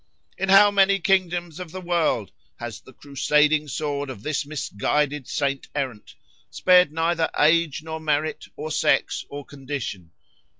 ] "In how many kingdoms of the world has the crusading sword of this misguided saint errant, spared neither age or merit, or sex, or condition?